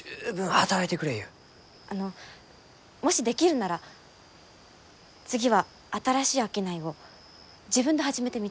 あのもしできるなら次は新しい商いを自分で始めてみたいんです。